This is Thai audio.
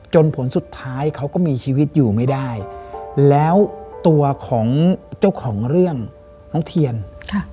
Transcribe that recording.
ผลสุดท้ายเขาก็มีชีวิตอยู่ไม่ได้แล้วตัวของเจ้าของเรื่องน้องเทียนค่ะ